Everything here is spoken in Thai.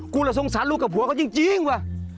กูแหละสงสารลูกกับหัวก็จริงวะ